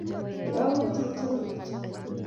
yautik chemyach